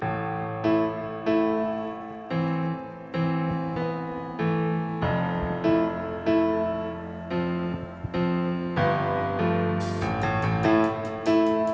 kamu bisa omongnya ya dafternya